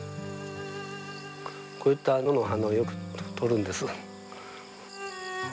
こういった野の花をよく採るんです。